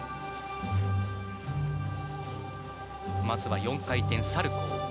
まずは４回転サルコウ。